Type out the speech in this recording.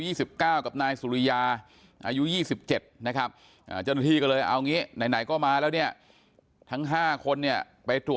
พี่เขาพึ่งพี่เขาพึ่งพี่เขาพึ่งพี่เขาพึ่งพี่เขาพึ่งพี่เขาพึ่งพี่เขาพึ่ง